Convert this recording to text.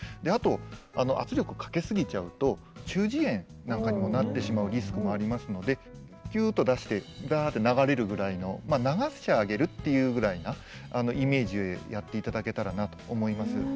あと圧力をかけ過ぎちゃうと中耳炎なんかにもなってしまうリスクもありますのでキュッと出してダッて流れるぐらいの流してあげるっていうぐらいなイメージでやっていただけたらなと思います。